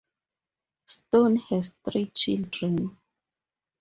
Stone has three children.